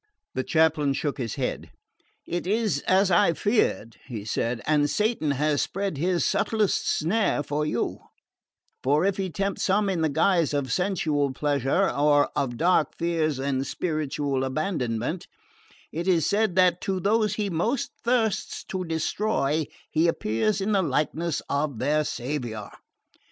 The chaplain shook his head. "It is as I feared," he said, "and Satan has spread his subtlest snare for you; for if he tempts some in the guise of sensual pleasure, or of dark fears and spiritual abandonment, it is said that to those he most thirsts to destroy he appears in the likeness of their Saviour.